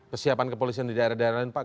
kesiapan kepolisian di daerah daerah lain pak